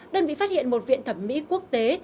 đơn vị phát hiện một viện thẩm mỹ quốc tế